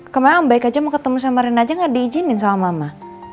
kemarin aku baik aja mau ketemu sama renan aja gak diizinin sama mama